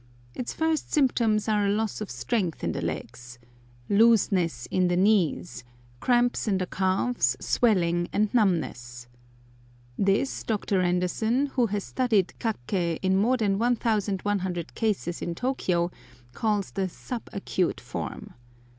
Its first symptoms are a loss of strength in the legs, "looseness in the knees," cramps in the calves, swelling, and numbness. This, Dr. Anderson, who has studied kak'ké in more than 1100 cases in Tôkiyô, calls the sub acute form.